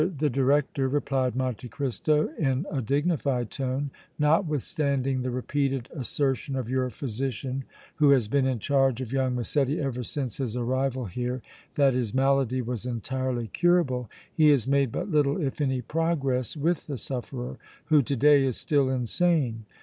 the director," replied Monte Cristo, in a dignified tone, "notwithstanding the repeated assertion of your physician who has been in charge of young Massetti ever since his arrival here that his malady was entirely curable, he has made but little if any progress with the sufferer, who to day is still insane.